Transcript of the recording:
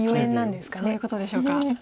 そういうことでしょうか。